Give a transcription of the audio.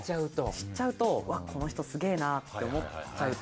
知っちゃうとうわこの人すげえなって思っちゃうと。